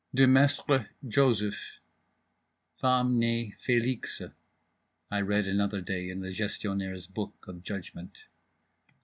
"Demestre, Josef (femme, née Feliska)" I read another day in the Gestionnaire's book of judgment.